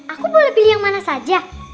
aku boleh pilih yang mana saja